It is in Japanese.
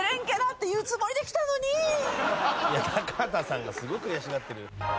いや高畑さんがすごく悔しがってる。